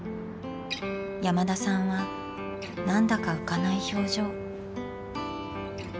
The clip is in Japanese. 山田さんは何だか浮かない表情。